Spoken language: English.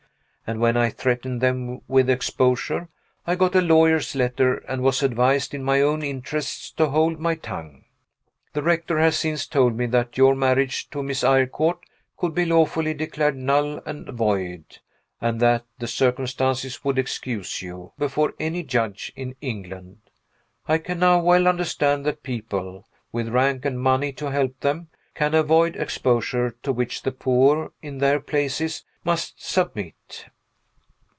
And when I threatened them with exposure, I got a lawyer's letter, and was advised in my own interests to hold my tongue. The rector has since told me that your marriage to Miss Eyrecourt could be lawfully declared null and void, and that the circumstances would excuse you, before any judge in England. I can now well understand that people, with rank and money to help them, can avoid exposure to which the poor, in their places, must submit.